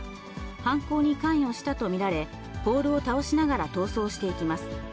犯行に関与したと見られ、ポールを倒しながら逃走していきます。